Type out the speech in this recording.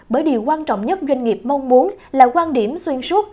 bởi điều quan trọng nhất doanh nghiệp mong muốn là quan điểm xuyên suốt